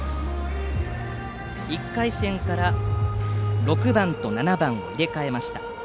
１回戦から６番と７番を入れ替えました。